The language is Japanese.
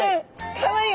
かわいい！